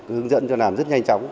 hướng dẫn cho làm rất nhanh chóng